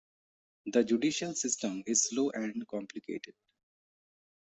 The judicial system is slow and complicated.